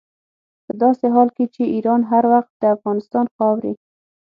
په داسې حال کې چې ایران هر وخت د افغانستان خاورې.